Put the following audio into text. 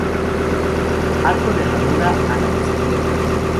Arco de herradura, a la izquierda.